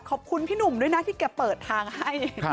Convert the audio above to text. ขอบคุณพี่หนุ่มด้วยนะที่แกเปิดทางให้